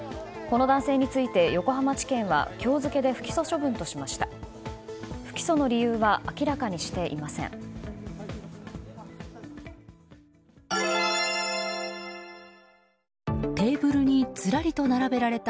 この男性について、横浜地検は今日付で不起訴処分としました。